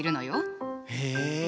へえ。